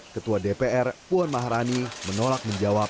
ketua dpr puan maharani menolak menjawab